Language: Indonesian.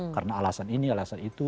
karena alasan ini alasan itu